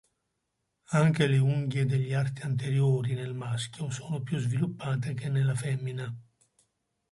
Anche le unghie degli arti anteriori nel maschio sono più sviluppate che nella femmina.